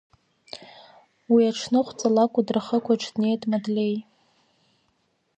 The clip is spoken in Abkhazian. Уи аҽны хәҵала Кәдры ахықәаҿ днеит Мадлеи.